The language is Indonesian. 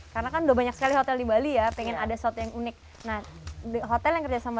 karena kan udah banyak sekali hotel di bali ya pengen ada saat yang unik nah hotel yang kerjasama